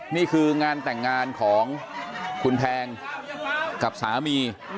นี่คืองานแต่งงานของคุณแพงกับสามี